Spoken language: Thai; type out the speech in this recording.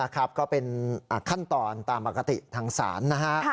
ก็เป็นขั้นตอนตามปกติทางศาลนะฮะ